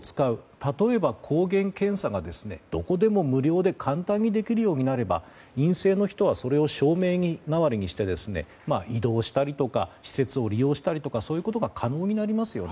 例えば抗原検査がどこでも無料で簡単にできるようになれば陰性の人はそれを証明代わりにして移動したりとか施設を利用したりとかそういうことが可能になりますよね。